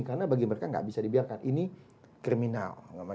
karena bagi mereka nggak bisa dibiarkan ini kriminal